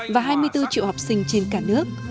và hai mươi bốn triệu học sinh trên cả nước